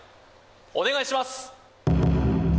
お願いします